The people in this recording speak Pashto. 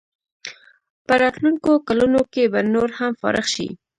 په راتلونکو کلونو کې به نور هم فارغ شي.